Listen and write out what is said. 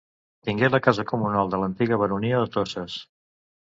Tingué la casa comunal de l'antiga Baronia de Toses.